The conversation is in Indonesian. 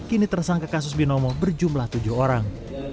kini tersangka kasus binomo berjumlah tujuh orang